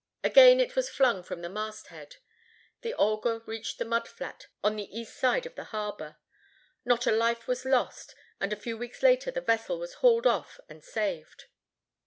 Again it was flung from the mast head. The Olga reached the mud flat on the east side of the harbor. Not a life was lost, and a few weeks later the vessel was hauled off and saved.